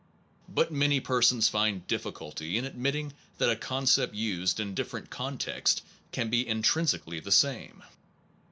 But many persons find difficulty in admitting that a concept used in different contexts can be intrinsically the same.